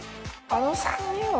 あの３人は。